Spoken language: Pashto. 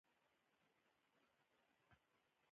فرانسه پر یوه مشروط سلطنتي نظام بدله شوه.